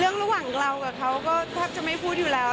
เรื่องระหว่างเรากับเขาก็ถ้าจะไม่พูดอยู่แล้ว